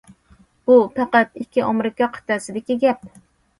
بۇ پەقەت ئىككى ئامېرىكا قىتئەسىدىكى گەپ.